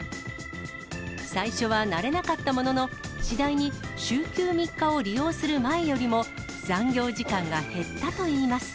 最初は慣れなかったものの、次第に週休３日を利用する前よりも、残業時間が減ったといいます。